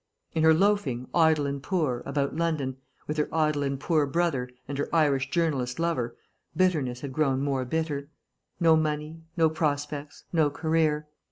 In her loafing, idle and poor, about London, with her idle and poor brother and her Irish journalist lover, bitterness had grown more bitter. No money, no prospects, no career.